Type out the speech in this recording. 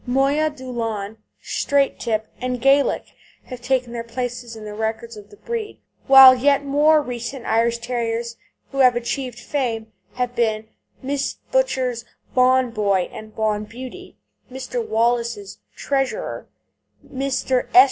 Moya Doolan, Straight Tip, and Gaelic have taken their places in the records of the breed, while yet more recent Irish Terriers who have achieved fame have been Mrs. Butcher's Bawn Boy and Bawn Beauty, Mr. Wallace's Treasurer, Mr. S.